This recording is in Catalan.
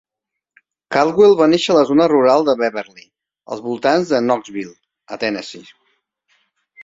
Caldwell va néixer a la zona rural de Beverly, als voltants de Knoxville, a Tennessee.